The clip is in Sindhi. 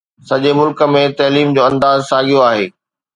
سڄي ملڪ ۾ تعليم جو انداز ساڳيو آهي.